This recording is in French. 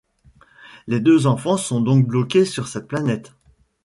Les deux enfants sont donc bloqués sur cette planète...